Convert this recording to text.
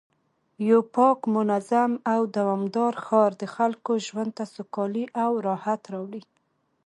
یو پاک، منظم او دوامدار ښار د خلکو ژوند ته سوکالي او راحت راوړي